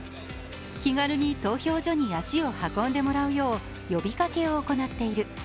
気軽に投票所に足を運んでもらうよう呼びかけを行っている。